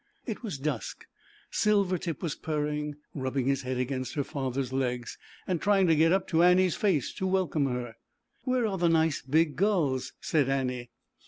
It was dusk. Silvertip was purring, rubbing his head against her father's legs, and trying to get up to Annie's face to wel come her. < Where are the nice big gulls?" said Annie.